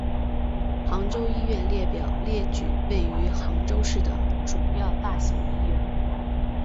杭州医院列表列举位于杭州市的主要大型医院。